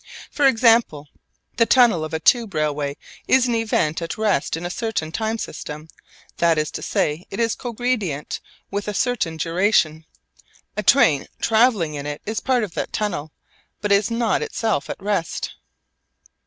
For example, the tunnel of a tube railway is an event at rest in a certain time system, that is to say, it is cogredient with a certain duration. A train travelling in it is part of that tunnel, but is not itself at rest.